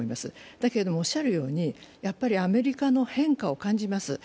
だけども、おっしゃるようにやっぱりアメリカの変化を感じます。